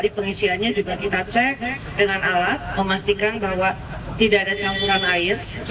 dan tadi pengisiannya juga kita cek dengan alat memastikan bahwa tidak ada campuran air